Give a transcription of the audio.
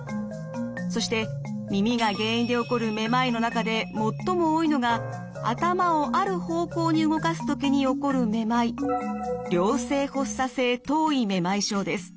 そして耳が原因で起こるめまいの中で最も多いのが頭をある方向に動かすときに起こるめまい良性発作性頭位めまい症です。